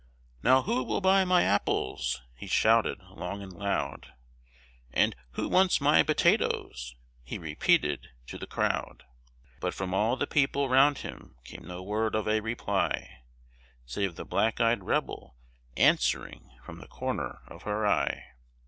"Now who will buy my apples?" he shouted long and loud; And "Who wants my potatoes?" he repeated to the crowd; But from all the people round him came no word of a reply, Save the black eyed rebel, answering from the corner of her eye.